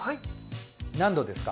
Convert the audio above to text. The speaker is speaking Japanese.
何度ですか？